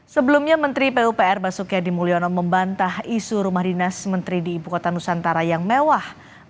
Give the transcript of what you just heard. sebelumnya menteri pupr basuki adi mulyono membantah isu rumah dinas menteri di ibu kota nusantara yang mewah